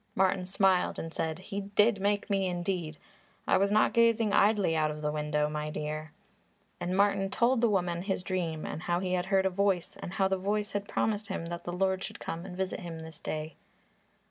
Martin smiled and said, "He did make me, indeed! I was not gazing idly out of the window, my dear." And Martin told the woman his dream and how he had heard a voice and how the voice had promised him that the Lord should come and visit him this day.